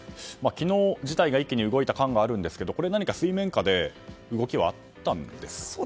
昨日、事態が一気に動いた感があるんですが何か水面下で動きはあったんですか？